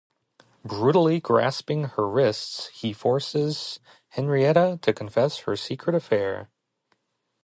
Brutally grasping her wrists, he forces Henrietta to confess her secret affair.